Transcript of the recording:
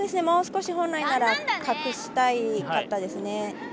もう少し本来なら隠したかったですね。